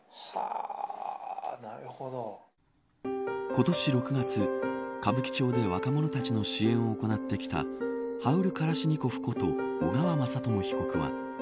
今年６月、歌舞伎町で若者たちの支援を行ってきたハウル・カラシニコフこと小川雅朝被告。